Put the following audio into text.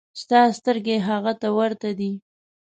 ستا سترګې هغه ته ورته دي.